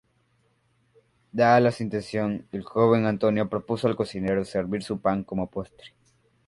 Dada la situación, el joven Antonio propuso al cocinero servir su pan como postre.